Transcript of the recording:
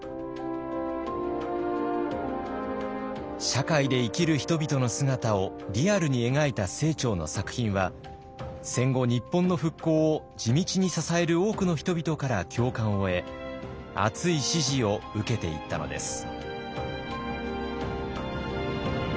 社会で生きる人々の姿をリアルに描いた清張の作品は戦後日本の復興を地道に支える多くの人々から共感を得熱い支持を受けていったのです。